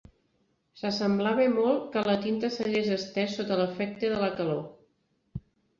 S'assemblava molt que la tinta s'hagués estès sota l'efecte de la calor.